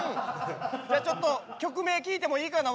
じゃあちょっと曲名聞いてもいいかな？